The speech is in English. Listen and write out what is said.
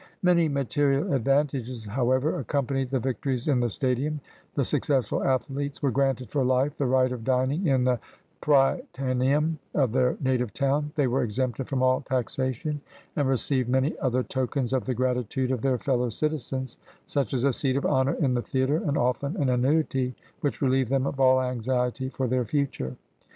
Many material advantages, however, accompanied the victories in the stadium : the successful athletes were granted for hfe the right of dining in the Prytaneum of their native town, they were exempted from all taxa tion, and received many other tokens of the gratitude of their fellow citizens, such as a seat of honor in the theater, and often an annuity which relieved them of all anxiety for their future.